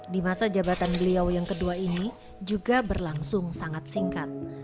di masa jabatan beliau yang kedua ini juga berlangsung sangat singkat